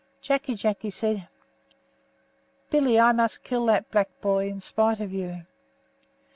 Jacky Jacky said; 'Billy, I must kill that black boy in spite of you.'"